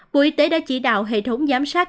bộ y tế đã chỉ đạo hệ thống giám sát